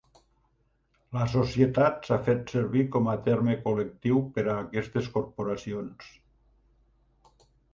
"La Societat" s'ha fet servir com a terme col·lectiu per a aquestes corporacions.